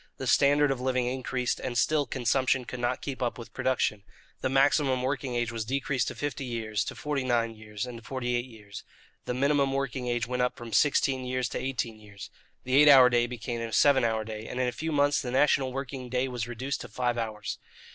The standard of living increased, and still consumption could not keep up with production. The maximum working age was decreased to fifty years, to forty nine years, and to forty eight years. The minimum working age went up from sixteen years to eighteen years. The eight hour day became a seven hour day, and in a few months the national working day was reduced to five hours.